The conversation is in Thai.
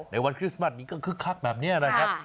ในวันคริสต์มัสนี้ก็คึกคักแบบนี้นะครับ